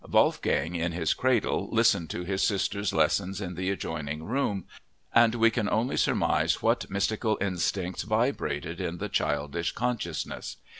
Wolfgang in his cradle listened to his sister's lessons in the adjoining room and we can only surmise what mystical instincts vibrated in the childish consciousness.